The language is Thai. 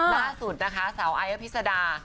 ล่าสุดนะคะสาวไอ้อภิษดา